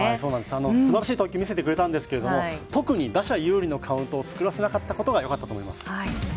すばらしい投球でしたが、特に打者有利のカウントを作らせなかったことがよかったと思います。